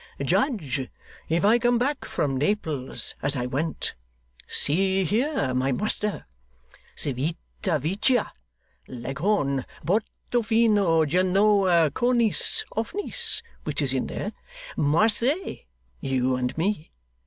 'Judge if I come back from Naples as I went! See here, my master! Civita Vecchia, Leghorn, Porto Fino, Genoa, Cornice, Off Nice (which is in there), Marseilles, you and me.